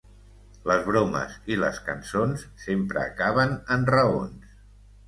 Les bromes i les cançons sempre acaben en raons.